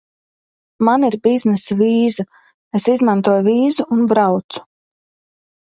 Man ir biznesa vīza. Es izmantoju vīzu un braucu.